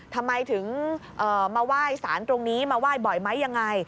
ทำไมถึงมาไหว้สารตรงนี้มาไหว้บ่อยไหมยังไง